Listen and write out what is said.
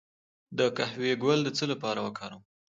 د قهوې ګل د څه لپاره وکاروم؟